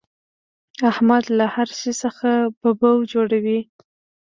احمد له هر شي څخه ببو جوړوي.